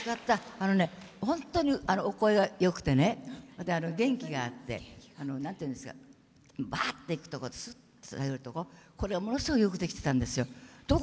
あのね、本当にお声がよくってね元気があって、ばーっていくとこすって下がるところこれ、ものすごくよくできてたんですよ。